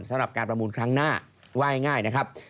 สำหรับการประมูลครั้งหน้าว่าง่ายนะครับ